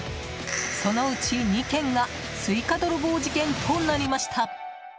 そのうち２件がスイカ泥棒事件となりました。